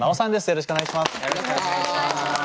よろしくお願いします。